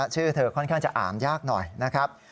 ชื่อเธอค่อนข้างจะอ่านยากหน่อยนะครับ